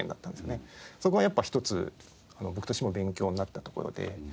そこはやっぱり一つ僕としても勉強になったところで。